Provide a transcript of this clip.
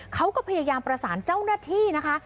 เขาก็พยายามประสานเจ้าหน้าที่นะคะ